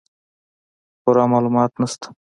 پوره معلومات نشته